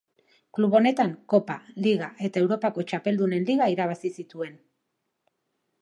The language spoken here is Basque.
Klub honetan kopa, liga eta Europako txapeldunen liga irabazi zituen.